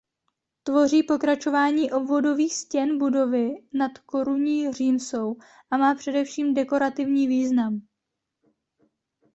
Tvoří pokračování obvodových stěn budovy nad korunní římsou a má především dekorativní význam.